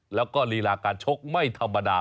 แล้วก็ลีลาการชกไม่ธรรมดา